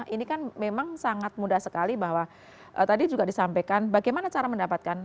ini kan memang sangat mudah sekali bahwa tadi juga disampaikan bagaimana cara mendapatkan